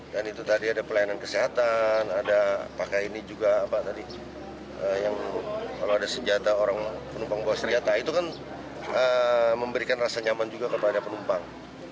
dan itu tadi ada pelayanan kesehatan ada pakai ini juga kalau ada senjata orang penumpang itu kan memberikan rasa nyaman juga kepada penumpang